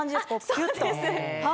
キュっと。